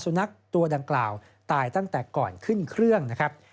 สุนัขตัวดังกล่าวตายตั้งแต่ก่อนขึ้นเครื่องนะครับ